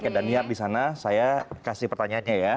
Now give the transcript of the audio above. oke daniar disana saya kasih pertanyaannya ya